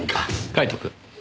カイトくん。